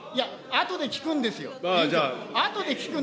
あとで聞くんですよ。